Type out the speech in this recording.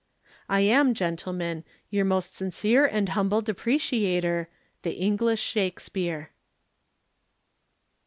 "I am, gentlemen, "Your most sincere and humble Depreciator, "THE ENGLISH SHAKESPEARE."